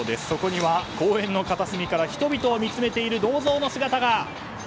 そこには公園の片隅から人々を見つめている銅像の姿が。